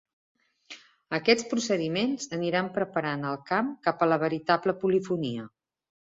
Aquests procediments aniran preparant el camp cap a la veritable polifonia.